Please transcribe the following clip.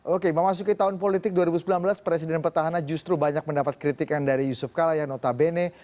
oke memasuki tahun politik dua ribu sembilan belas presiden petahana justru banyak mendapat kritikan dari yusuf kala yang notabene